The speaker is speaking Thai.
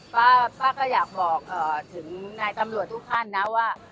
ป้าก็อยากบอกถึงนายตำรวจทุกท่านนะว่า